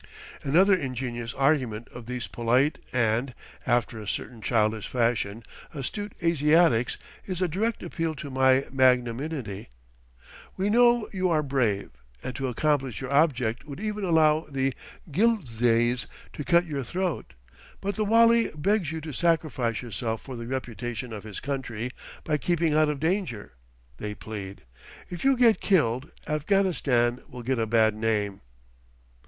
Another ingenious argument of these polite and, after a certain childish fashion, astute Asiatics, is a direct appeal to my magnaminity. "We know you are brave, and to accomplish your object would even allow the Ghilzais to cut your throat; but the Wali begs you to sacrifice yourself for the reputation of his country, by keeping out of danger," they plead. "If you get killed, Afghanistan will get a bad name."